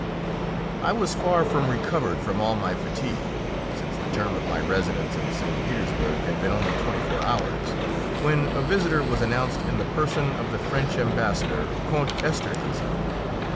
I was far from recovered from all my fatigue since the term of my residence in St. Petersburg had been only twenty four hours when a visitor was announced in the person of the French Ambassador, Count Esterhazy.